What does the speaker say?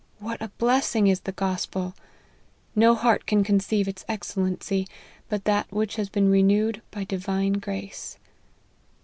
What a blessing is the gospel ! No heart can conceive its excellency, but that which has been renewed by divine grace."